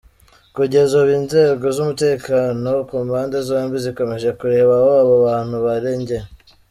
kugeza ubu inzego z’umutekano ku mpande zombi zikomeje kureba aho aba bantu barengeye.